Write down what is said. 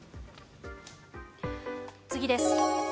次です。